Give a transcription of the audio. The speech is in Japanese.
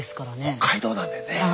北海道なんでね。